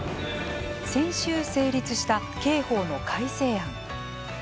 先週成立した刑法の改正案。